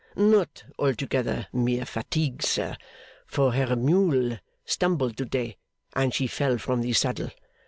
'Not altogether mere fatigue, sir, for her mule stumbled to day, and she fell from the saddle.